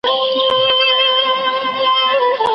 کرۍ ورځ به پر باوړۍ نه ګرځېدلای